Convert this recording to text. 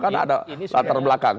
kan ada latar belakang